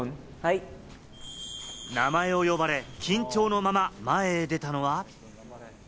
名前を呼ばれ、緊張のまま前へ出たのは。